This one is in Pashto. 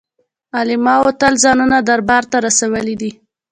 علماوو تل ځانونه دربار ته رسولي دي.